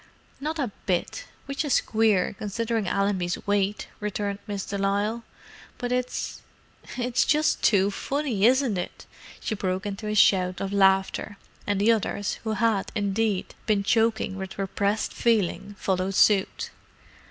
"Not a bit, which is queer, considering Allenby's weight!" returned Miss de Lisle. "But it's—it's just t too funny, isn't it!" She broke into a shout of laughter, and the others, who had, indeed, been choking with repressed feeling, followed suit.